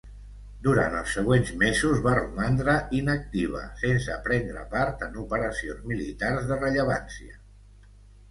Durant els següents mesos va romandre inactiva, sense prendre part en operacions militars de rellevància.